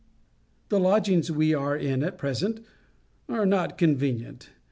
The lodgings we are in at present are not convenient.